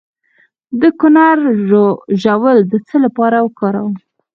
د کندر ژوول د څه لپاره وکاروم؟